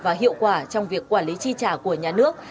và hiệu quả trong việc quản lý chi trả của nhà nước